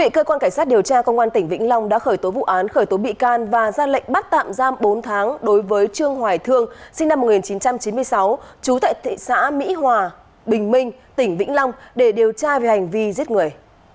cơ quan cảnh sát điều tra công an tỉnh vĩnh long đã khởi tố vụ án khởi tố bị can và ra lệnh bắt tạm giam bốn tháng đối với trương hoài thương sinh năm một nghìn chín trăm chín mươi sáu trú tại thị xã mỹ hòa bình minh tỉnh vĩnh long để điều tra về hành vi giết người